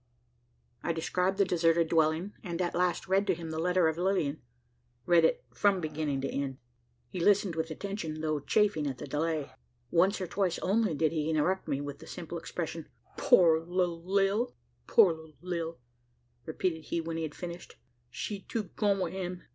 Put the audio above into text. I described the deserted dwelling; and at last read to him the letter of Lilian read it from beginning to end. He listened with attention, though chafing at the delay. Once or twice only did he interrupt me, with the simple expression "Poor little Lil!" "Poor little Lil!" repeated he when I had finished. "She too gone wi' him!